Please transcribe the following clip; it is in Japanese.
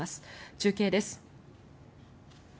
中継です。